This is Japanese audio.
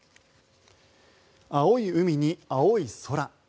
青い海に青い空。